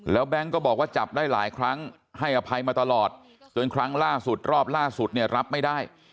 แบงค์ก็บอกว่าจับได้หลายครั้งให้อภัยมาตลอดจนครั้งล่าสุดรอบล่าสุดเนี่ยรับไม่ได้